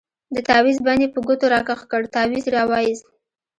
د تاويز بند يې په ګوتو راكښ كړ تاويز يې راوايست.